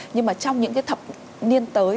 nhưng mà trong những cái thập niên tới